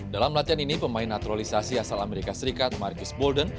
dalam latihan ini pemain naturalisasi asal amerika serikat marcus bolden